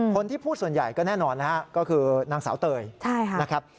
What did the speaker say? คนที่พูดส่วนใหญ่ก็แน่นอนนะฮะก็คือนางสาวเตยนะครับ